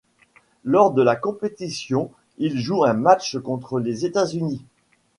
Lors de la compétition il joue un match contre les États-Unis.